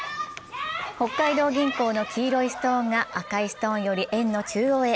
北海道銀行の黄色いストーンが赤いストーンより円の中央へ。